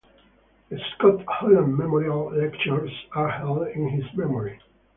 The Scott Holland Memorial Lectures are held in his memory.